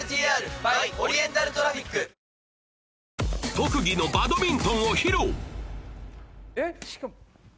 特技のバドミントンを披露あーっ！